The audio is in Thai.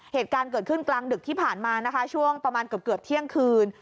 เหตุการณ์เกิดขึ้นกลางดึกที่ผ่านมานะคะช่วงประมาณเกือบเที่ยงคืน